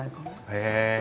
へえ。